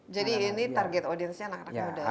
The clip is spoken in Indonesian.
jadi ini target audiensnya anak anak muda ya